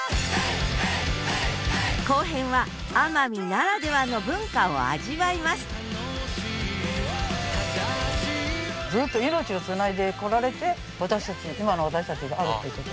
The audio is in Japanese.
後編は奄美ならではの文化を味わいますずっと命をつないでこられて私たち今の私たちがあるっていうこと。